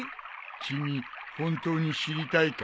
君本当に知りたいかい？